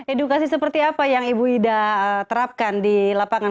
edukasi seperti apa yang ibu ida terapkan di lapangan